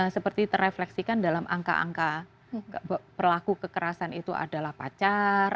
seperti terefleksikan dalam angka angka perlaku kekerasan itu adalah pacar